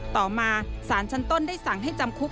ต่อมาสารชั้นต้นได้สั่งให้จำคุก